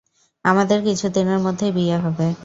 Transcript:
আমদের কিছুদিনের মধ্যেই বিয়ে হবে।